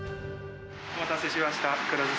お待たせしました。